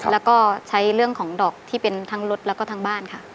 แล้วก็ใช้เรื่องของดอกที่เป็นทั้งรถแล้วก็ทั้งบ้านค่ะ